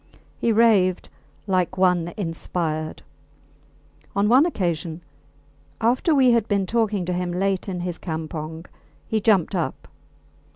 He raved like one inspired. On one occasion, after we had been talking to him late in his campong, he jumped up.